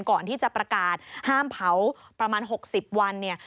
ก่อนที่จะประกาศห้ามเผาประมาณ๖๐วันเนี่ย